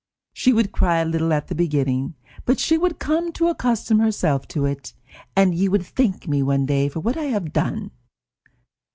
She would cry a little at the beginning, but she would come to accustom herself to it, and you would thank me one day for what you had done.